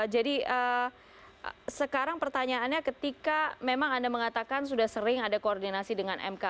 sekarang pertanyaannya ketika memang anda mengatakan sudah sering ada koordinasi dengan mk